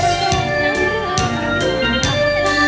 รักเธอรักเธอ